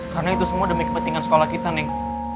karena itu semua demi kepentingan sekolah kita neng